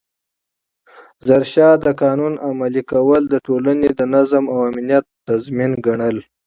ظاهرشاه د قانون عملي کول د ټولنې د نظم او امنیت تضمین ګڼل.